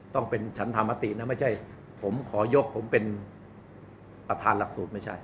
ต้องเป็นฉันธรรมตินะไม่ใช่ผมขอยกผมเป็นประธานหลักสูตรไม่ใช่